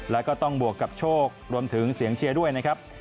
แล้วก็ต้องบวกกับโชครวมถึงเสียงเชียร์ด้วยนะครับ